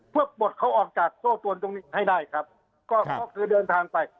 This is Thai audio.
เพื่อปลดเขาออกจากโซ่ตวนตรงนี้ให้ได้ครับก็คือเดินทางไป